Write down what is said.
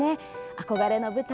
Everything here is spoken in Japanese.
憧れの舞台